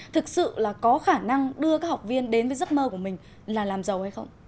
thực sự là có khả năng đưa các học viên đến với giấc mơ của mình là làm giàu hay không